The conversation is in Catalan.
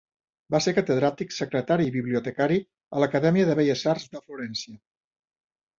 Va ser catedràtic, secretari i bibliotecari a l'Acadèmia de Belles Arts de Florència.